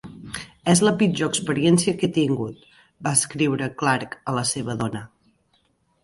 "És la pitjor experiència que he tingut", va escriure Clark a la seva dona.